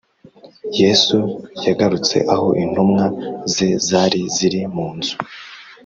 Yesu yagarutse aho intumwa ze zari ziri munzu